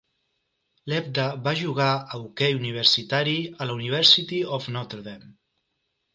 Lebda va jugar a hoquei universitari a la University of Notre Dame.